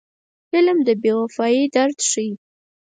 فلم د بې وفایۍ درد ښيي